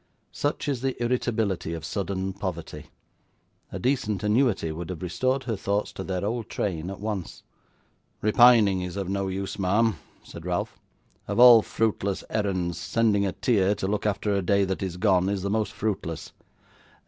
Such is the irritability of sudden poverty. A decent annuity would have restored her thoughts to their old train, at once. 'Repining is of no use, ma'am,' said Ralph. 'Of all fruitless errands, sending a tear to look after a day that is gone is the most fruitless.